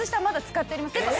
まだ使ってます。